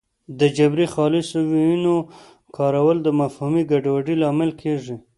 د جبري خالصو ویونو کارول د مفهومي ګډوډۍ لامل کېږي